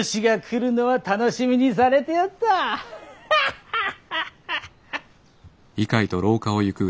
ハハハハハ。